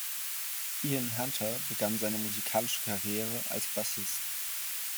Ian Hunter begann seine musikalische Karriere als Bassist.